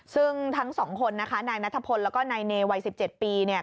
ซึ่งทั้งสองคนนะคะนายนัทพลแล้วก็นายเนวัย๑๗ปีเนี่ย